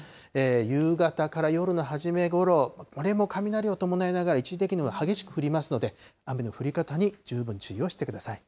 夕方から夜の初めごろ、これも雷を伴いながら、一時的には激しく降りますので、雨の降り方に十分注意をしてください。